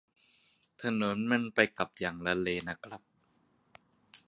ถนนมันไปกลับอย่างละเลนนะฮะ